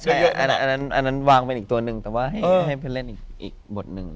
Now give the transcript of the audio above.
จริงอั้นนั้นวางไปอีกตัวนึงแล้วให้เล่นอีกบทนึง